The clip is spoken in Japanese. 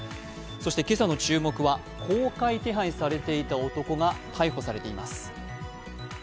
そして今朝の注目は公開手配されていた男が逮捕されています。